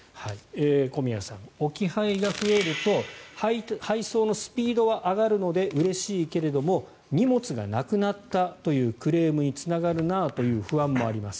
小宮さん、置き配が増えると配送のスピードは上がるのでうれしいけれども荷物がなくなったというクレームにつながるなという不安もあります。